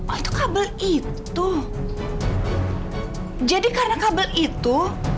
oh itu kabel itu jadi karena kabel itu